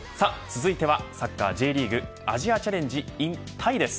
続いては、サッカーＪリーグアジアチャレンジｉｎタイです。